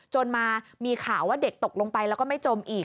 จนมามีข่าวว่าเด็กตกลงไปแล้วก็ไม่จมอีก